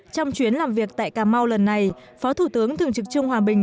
trong chuyến làm việc tại cà mau lần này phó thủ tướng thường trực trương hòa bình